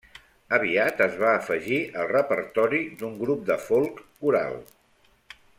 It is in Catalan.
Aviat es va afegir al repertori d'un grup de folk coral.